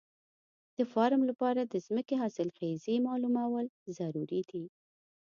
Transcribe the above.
د فارم لپاره د ځمکې حاصلخېزي معلومول ضروري دي.